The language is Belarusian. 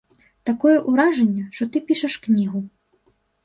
Такое ўражанне, што ты пішаш кнігу.